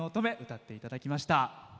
歌っていただきました。